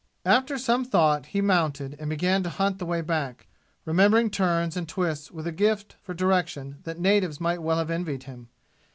After some thought be mounted and began to hunt the way back, remembering turns and twists with a gift for direction that natives might well have envied him.